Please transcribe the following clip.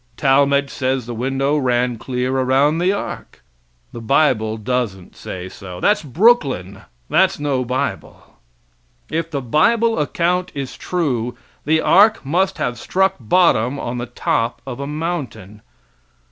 Talmage says the window ran clear around the ark. The bible doesn't say so. That's Brooklyn; that's no bible. If the bible account is true the ark must have struck bottom on the top of a mountain.